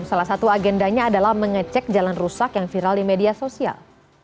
salah satu agendanya adalah mengecek jalan rusak yang viral di media sosial